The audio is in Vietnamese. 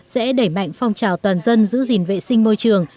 sẽ đẩy mạnh phong trào toàn dân giữ gìn vệ sinh môi trường